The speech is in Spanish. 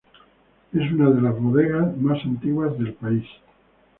Es una de las bodegas más antiguas del país.